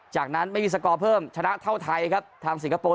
จากนั้นไม่มีสกอร์เพิ่มชนะเท่าไทยครับทางสิงคโปร์